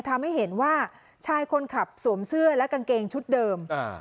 ทำให้เห็นว่าชายคนขับสวมเสื้อและกางเกงชุดเดิม